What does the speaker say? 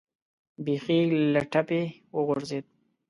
بیخي له ټپې وغورځېد.